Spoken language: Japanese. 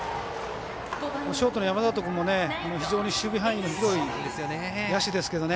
ショートの山里君も非常に守備範囲の広い野手ですけどね